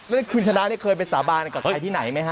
แล้วคุณชะดานน่ะเคยไปสาบานกับใครที่ไหนมั้ยฮะ